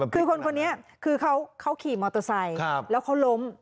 คือคนคนนี้คือเขาขี่มอเตอร์ไซค์แล้วเขาล้ม